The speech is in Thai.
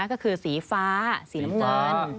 ก็คือสีฟ้าสีน้ำตาล